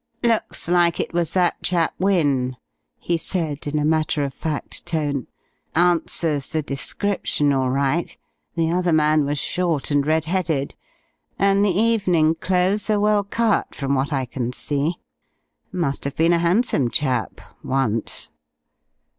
"Looks like it was that chap Wynne," he said, in a matter of fact tone. "Answers the description all right. The other man was short and red headed. And the evening clothes are well cut from what I can see. Must have been a handsome chap once....